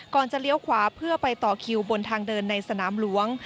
จะเลี้ยวขวาเพื่อไปต่อคิวบนทางเดินในสนามหลวง